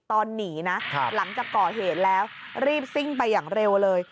ตอนหนีนะหลังจากก่อเหตุแล้วรีบซิ่งไปอย่างเร็วเลย